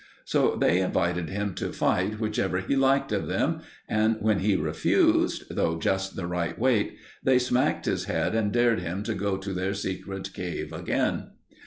So they invited him to fight whichever he liked of them, and when he refused, though just the right weight, they smacked his head and dared him to go to their secret cave again.